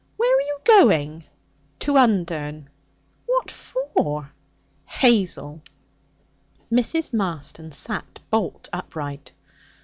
Where are you going?' 'To Undern.' 'What for?' 'Hazel.' Mrs. Marston sat bolt upright.